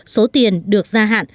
số tiền được gia hạn